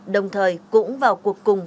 đồng thời cũng vào cuộc cùng